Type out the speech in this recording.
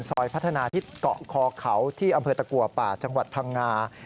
ซอยพัฒนาทิศเกาะคอเขาที่อำเภอตะกัวป่าจังหวัดพังงา